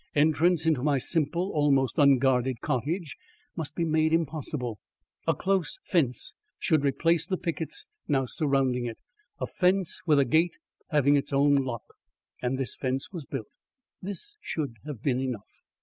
Entrance into my simple, almost unguarded cottage must be made impossible. A close fence should replace the pickets now surrounding it a fence with a gate having its own lock. And this fence was built. This should have been enough.